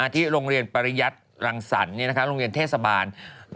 ที่โรงเรียนปริยัติรังสรรค์โรงเรียนเทศบาล